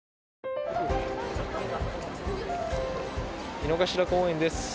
井の頭公園です。